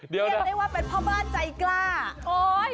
เรียกได้ว่าเป็นพ่อบ้านใจกล้าโอ๊ย